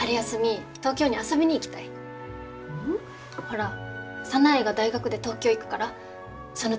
ほら早苗が大学で東京行くからその時に。